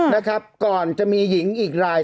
นะครับก่อนจะมีหญิงอีกราย